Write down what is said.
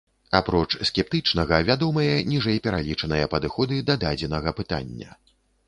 Апроч скептычнага, вядомыя ніжэйпералічаныя падыходы да дадзенага пытання.